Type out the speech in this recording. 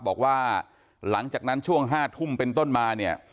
บอกว่าหลังจากนั้นช่วง๕ทุ่มเป็นต้นมาเนี่ย